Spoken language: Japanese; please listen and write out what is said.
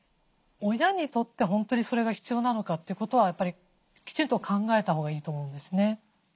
親にとって本当にそれが必要なのかということはやっぱりきちんと考えたほうがいいと思うんですね。